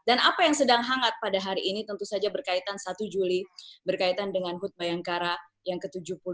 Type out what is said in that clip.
dan apa yang sedang hangat pada hari ini tentu saja berkaitan satu juli berkaitan dengan hut bayangkara yang ke tujuh puluh empat